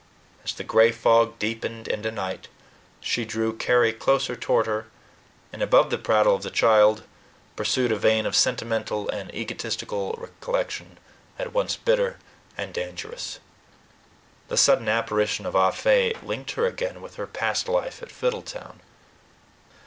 As the gray fog deepened into night, she drew Carry closer toward her, and, above the prattle of the child, pursued a vein of sentimental and egotistic recollection at once bitter and dangerous. The sudden apparition of Ah Fe linked her again with her past life at Fiddletown.